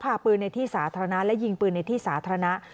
พาปืนในที่สาธารณะและยิงปืนในที่สาธารณะ